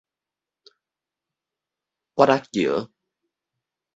挖仔橋